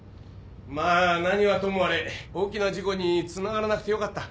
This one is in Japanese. まあ何はともあれ大きな事故につながらなくてよかった。